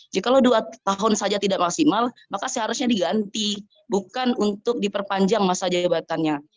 jikalau dua tahun saja tidak maksimal maka seharusnya diganti bukan untuk diperpanjang masa jabatannya